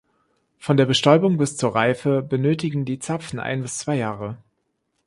Von der Bestäubung bis zur Reife benötigen die Zapfen ein bis zwei Jahre.